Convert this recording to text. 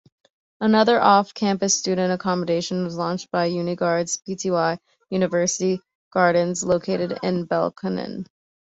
Another off-campus student accommodation was launched by UniGardens Pty, University Gardens located in Belconnen.